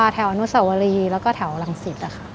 แถวอนุสาวรีแล้วก็แถวรังศิษย์อะค่ะ